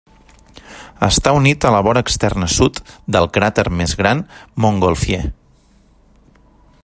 Està unit a la vora externa sud del cràter més gran Montgolfier.